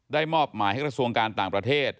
มอบหมายให้กระทรวงการต่างประเทศ